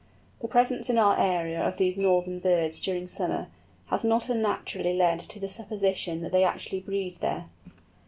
The presence in our area of these northern birds during summer, has not unnaturally led to the supposition that they actually breed there.